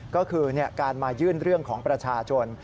ก็คือการมายื่นเรื่องของประชาชน